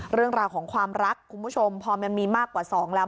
เรื่องราวของความรักคุณผู้ชมพอมันมีมากกว่า๒แล้ว